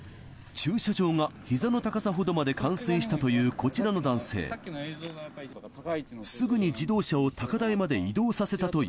駐車場がひざの高さほどまでかんすいしたというこちらのだんせい。